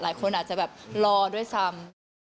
หลายคนอาจจะแบบรอด้วยซ้ำ